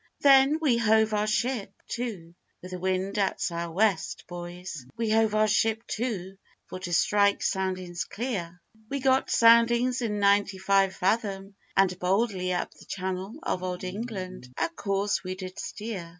Then we hove our ship to, with the wind at sou' west, boys, We hove our ship to, for to strike soundings clear; We got soundings in ninety five fathom, and boldly Up the channel of old England our course we did steer.